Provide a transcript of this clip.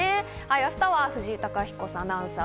明日は藤井貴彦アナウンサー。